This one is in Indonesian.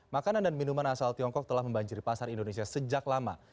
makanan dan minuman asal tiongkok telah membanjiri pasar indonesia sejak lama